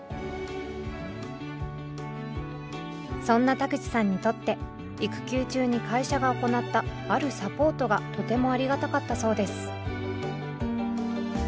そんな田口さんにとって育休中に会社が行ったあるサポートがとてもありがたかったそうです。